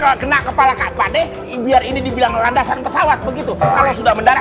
kalau kena kepala kapan biar ini dibilang landasan pesawat begitu kalau sudah mendarat